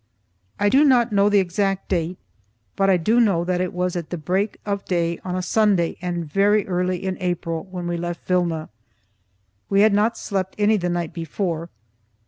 I do not know the exact date, but I do know that it was at the break of day on a Sunday and very early in April when we left Vilna. We had not slept any the night before.